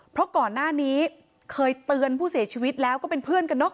เพราะก่อนหน้านี้เคยเตือนผู้เสียชีวิตแล้วก็เป็นเพื่อนกันเนอะ